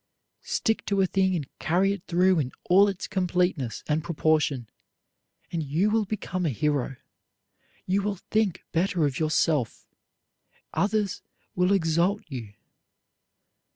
Stick to a thing and carry it through in all its completeness and proportion, and you will become a hero. You will think better of yourself; others will exalt you.